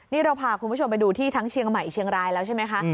นี่เราพาคุณผู้ชมไปดูที่ทั้งเชียงใหม่เชียงรายแล้วใช่ไหมคะ